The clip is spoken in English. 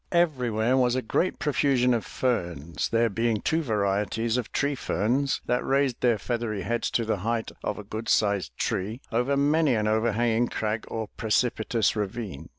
Everywhere was a great profusion of ferns, there being two varieties of tree ferns that raised their feathery heads to the height of a good sized tree over many an overhanging crag or precipitous ravine.